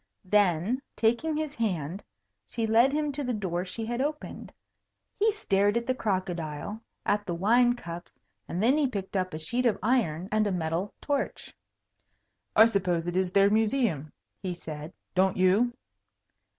Then, taking his hand, she led him to the door she had opened. He stared at the crocodile, at the wine cups, and then he picked up a sheet of iron and a metal torch. "I suppose it is their museum," he said; "don't you?"